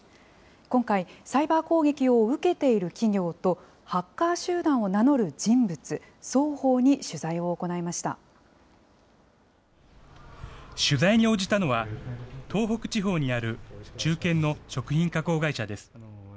今回、サイバー攻撃を受けている企業と、ハッカー集団を名乗る人取材に応じたのは、東北地方にある中堅の食品加工会社です。